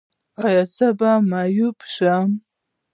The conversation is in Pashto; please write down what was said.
ایا زه به معیوب شم؟